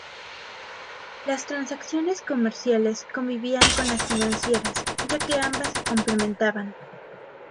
Las transacciones comerciales convivían con las financieras, ya que ambas se complementaban.